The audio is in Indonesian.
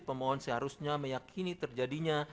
pemohon seharusnya meyakini terjadinya